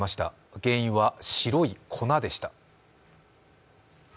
原因は白い粉でした。